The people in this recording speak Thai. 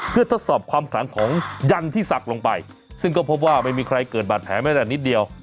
เพื่อทดสอบความขลังของยันที่ศักดิ์ลงไปซึ่งก็พบว่าไม่มีใครเกิดบาดแผลไม่แต่นิดเดียว